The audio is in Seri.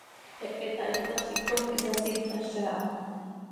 Hehet hahítalc hipcom ihsasíptalca aha.